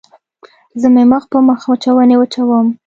زه مې مخ په مخوچوني وچوم.